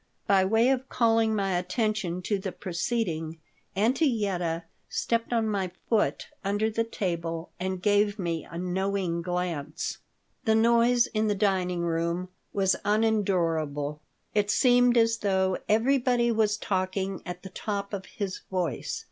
By way of calling my attention to the proceeding, Auntie Yetta stepped on my foot under the table and gave me a knowing glance The noise in the dining room was unendurable. It seemed as though everybody was talking at the top of his voice.